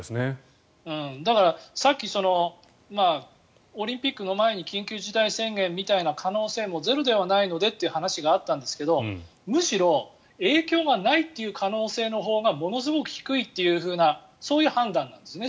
だから、さっきオリンピックの前に緊急事態宣言みたいな可能性もゼロではないのでという話があったんですがむしろ、影響がないという可能性のほうがものすごく低いというふうなそういう判断なんですね。